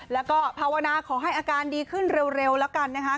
แล้วก็ภาวนาขอให้อาการดีขึ้นเร็วแล้วกันนะคะ